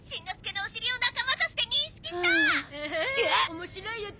面白い音！